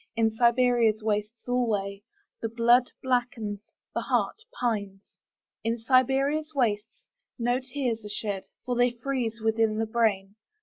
In Siberia's wastes alwayThe blood blackens, the heart pines.In Siberia's wastesNo tears are shed, For they freeze within the brain.